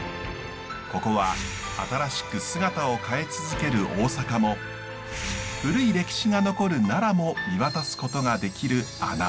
ここは新しく姿を変え続ける大阪も古い歴史が残る奈良も見渡すことができる穴場。